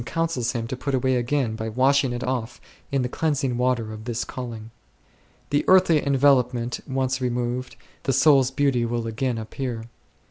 counsels him to put away again by washing it off in the cleansing water of this calling1. The earthly envelopment once removed, the soul's beauty will again appear.